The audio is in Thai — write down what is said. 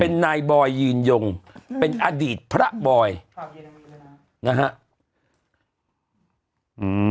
เป็นนายบอยยืนยงเป็นอดีตพระบอยครับเยนวินแล้วนะ